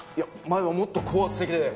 前はもっと高圧的で。